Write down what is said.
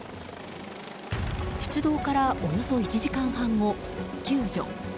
出動からおよそ１時間半後、救助。